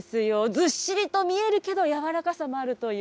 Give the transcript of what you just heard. ずっしりと見えるけど、やわらかさもあるという。